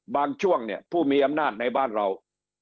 ช่วงเนี่ยผู้มีอำนาจในบ้านเรา